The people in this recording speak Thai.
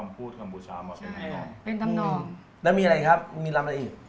เป็นลำนอกแล้วมีอะไรครับมีลำอะไร